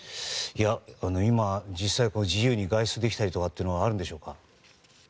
今、実際、自由に外出できたりというのはあるんでしょうか？